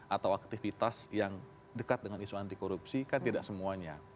atau aktivitas yang dekat dengan isu anti korupsi kan tidak semuanya